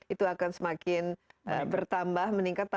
itu akan semakin bertambah meningkat